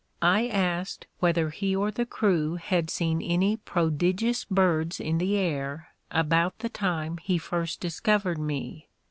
I asked whether he or the crew had seen any prodigious birds in the air about the time he first discovered me?